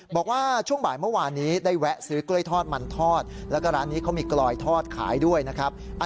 บอกว่าช่วงบ่ายเมื่อวานนี้ได้แวะซื้อกล้วยทอดมันทอดแล้วก็ร้านนี้เขามีกลอยทอดขายด้วยนะครับ